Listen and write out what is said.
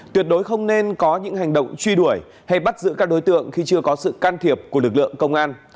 tuyệt đối không nên có những hành động truy đuổi hay bắt giữ các đối tượng khi chưa có sự can thiệp của lực lượng công an